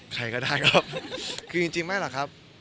ใครก็ได้ก็คือจริงไม่หรอกครับ